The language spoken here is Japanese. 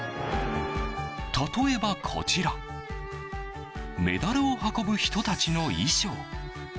例えばこちらメダルを運ぶ人たちの衣装。